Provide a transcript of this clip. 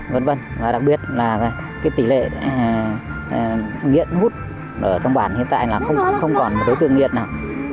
và đặc biệt là tỷ lệ nghiện hút ở trong bản hiện tại là không còn đối tượng nghiện nào